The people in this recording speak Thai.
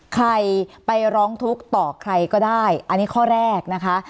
ใครไปร้องทุกข์ต่อใครก็ได้อันนี้ข้อแรกนะคะ